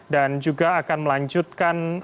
dan juga akan melanjutkan